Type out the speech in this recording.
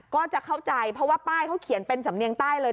ก็จะเข้าใจเพราะว่าป้ายเขาเขียนเป็นสำเนียงใต้เลย